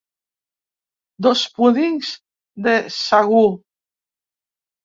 Dos púdings de sagú.